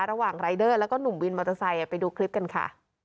รายเดอร์แล้วก็หนุ่มวินมอเตอร์ไซค์ไปดูคลิปกันค่ะ